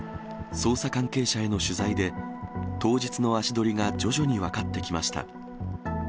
捜査関係者への取材で、当日の足取りが徐々に分かってきました。